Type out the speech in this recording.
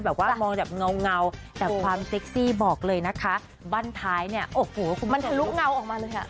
แบบว่ามองแบบเงาแต่ความเซ็กซี่บอกเลยนะคะบ้านท้ายเนี่ยโอ้โหมันทะลุเงาออกมาเลยอ่ะ